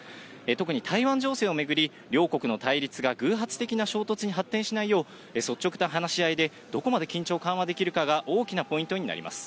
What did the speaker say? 特に台湾情勢を巡り、両国の対立が偶発的な衝突に発展しないよう、率直な話し合いでどこまで緊張緩和できるかが大きなポイントになります。